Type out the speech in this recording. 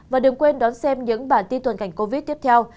và đừng quên đón xem những bản tin toàn cảnh covid tiếp theo